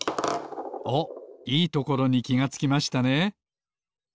おっいいところにきがつきましたね。